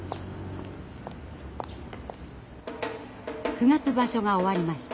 九月場所が終わりました。